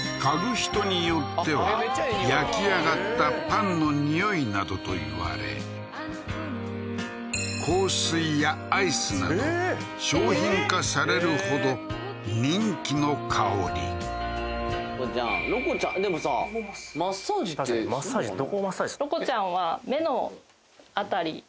人によっては焼き上がったパンの匂いなどといわれ香水やアイスなど商品化されるほど人気の香りロコちゃんでもさマッサージって確かにマッサージってどこをマッサージするん？